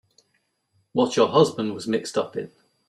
What your husband was mixed up in.